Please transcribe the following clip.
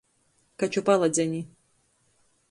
Kaču paladzeni.